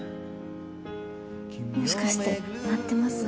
もしかして鳴ってます？